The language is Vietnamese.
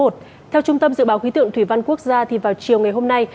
theo trung tâm dự báo khí tượng thủy văn quốc gia thì vào chiều ngày hôm nay